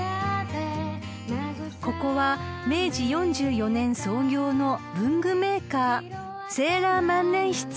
［ここは明治４４年創業の文具メーカーセーラー万年筆］